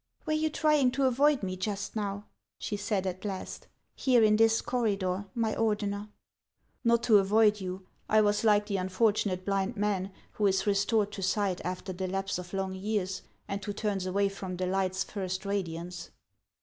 "Were you trying to avoid me just now," she said at last, " here in this corridor, my Ordeuer ?"" Xot to avoid you. I was like the unfortunate blind man who is restored to sight after the lapse of long years, and who turns away from the light's first radiance."